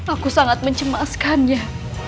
aku sangat mencemaskannya